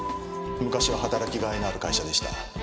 昔は働きがいのある会社でした。